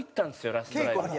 ラストライブが。